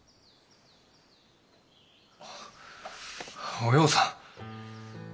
おようさん。